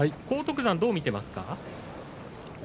荒篤山、どう見ていますか。